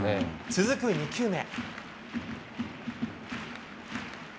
続く２球目。